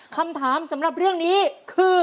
คำถามสำหรับเรื่องนี้คือ